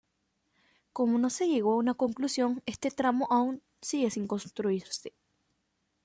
Como no se llegó a una conclusión, este tramo aún sigue sin construirse.